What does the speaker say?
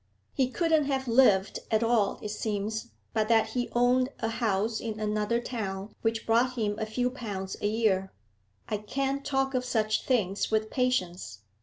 He couldn't have lived at all, it seems, but that he owned a house in another town, which brought him a few pounds a year. I can't talk of such things with patience.